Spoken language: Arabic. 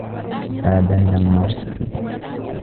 عاد من المرصد.